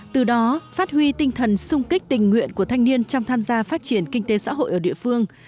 từ đó phát huy tinh thần sung kích tình nguyện của thanh niên trong tham gia phát triển kinh tế xã hội ở địa phương